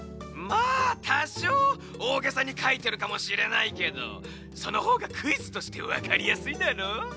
まあたしょうおおげさにかいてるかもしれないけどそのほうがクイズとしてわかりやすいだろ？